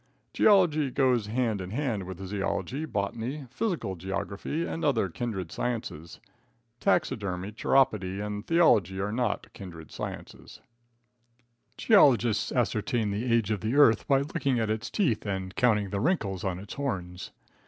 Geology goes hand in hand with zoology, botany, physical geography and other kindred sciences. Taxidermy, chiropody and theology are not kindred sciences. Geologists ascertain the age of the earth by looking at its teeth and counting the wrinkles on its horns.